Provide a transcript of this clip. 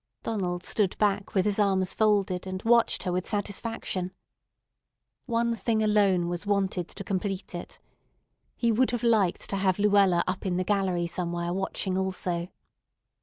Donald stood back with his arms folded, and watched her with satisfaction. One thing alone was wanted to complete it. He would have liked to have Luella up in the gallery somewhere watching also.